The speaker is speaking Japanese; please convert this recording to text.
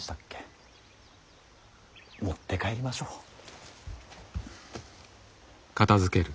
持って帰りましょう。